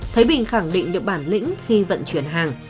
thấy bình khẳng định được bản lĩnh khi vận chuyển hàng